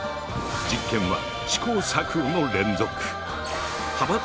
実験は試行錯誤の連続。